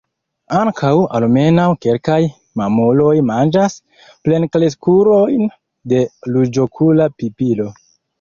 Ankaŭ almenaŭ kelkaj mamuloj manĝas plenkreskulojn de Ruĝokula pipilo.